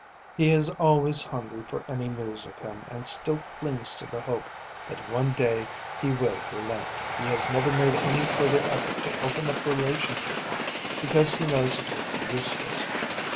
He is always hungry for any news of him, and still clings to the hope that one day he will relent. He has never made any further effort to open up relations with him because he knows it would be useless.